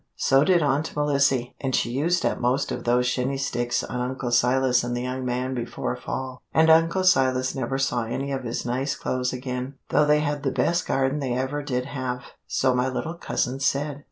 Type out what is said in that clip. So did Aunt Melissy, and she used up most of those shinney sticks on Uncle Silas and the young man before fall, and Uncle Silas never saw any of his nice clothes again, though they had the best garden they ever did have, so my little cousins said.